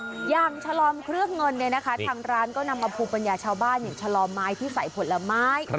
อะยางชัลลองเครื่องเงินเนี่ยนะคะผู้บรรยาชาวบ้านชัลลองไม้ที่ใส่ผลไม้